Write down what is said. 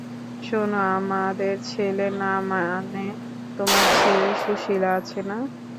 শুনো, আমাদের ছেলে না মানে তোমার ছেলে সুশীলা আছে না?